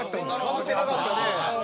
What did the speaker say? かぶってなかったね。